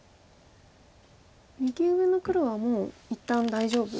右上の黒はもう一旦大丈夫？